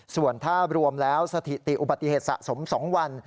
ส่วนถ้ารวมแล้วสถิติอุบัติเหตุสะสม๒วัน